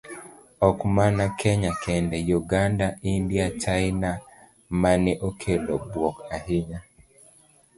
Ok mana kenya kende, Uganda, India, China, mane okelo buok ahinya.